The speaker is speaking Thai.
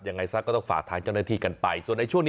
ยังไงสักก็ต้องฝากทางเจ้าหน้าที่กันไป